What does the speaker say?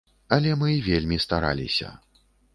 Але мы вельмі стараліся.